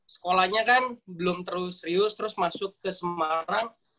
sekolahnya kan belum terlalu serius terus masuk ke semarang